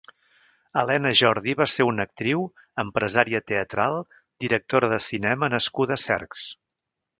Elena Jordi va ser una actriu, empresària teatral, directora de cinema nascuda a Cercs.